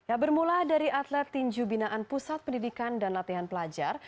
ya bermula dari atlet tinju binaan pusat pendidikan dan latihan pelajar